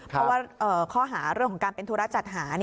เพราะว่าข้อหาเรื่องของการเป็นธุระจัดหา